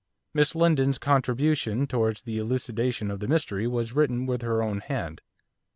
Miss Lindon's contribution towards the elucidation of the mystery was written with her own hand.